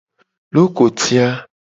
Lokoti a.